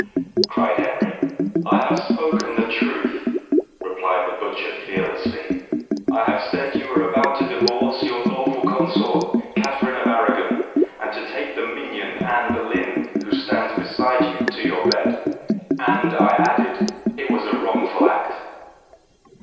cried Henry. "I have spoken the truth," replied the butcher fearlessly. "I have said you were about to divorce your lawful consort, Catherine of Arragon, and to take the minion, Anne Boleyn, who stands beside you, to your bed. And I added, it was a wrongful act."